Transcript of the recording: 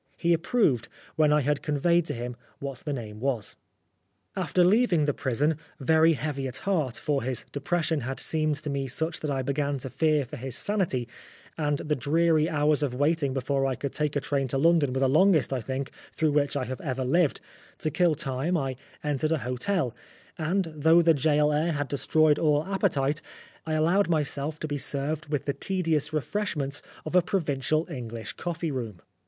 He approved, when I had conveyed to him what the name was. After leaving the prison, very heavy at 214 Oscar Wilde heart, for his depression had seemed to me such that I began to fear for his sanity, and the dreary hours of waiting before I could take a train to London were the longest, I think, through which I have ever lived, to kill time I entered an hotel, and though the gaol air had destroyed all appetite, I allowed myself to be served with the tedious refreshments of a provincial English coffee room.